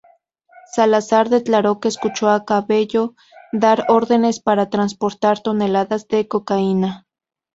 Salazar declaró que escuchó a Cabello dar órdenes para transportar toneladas de cocaína.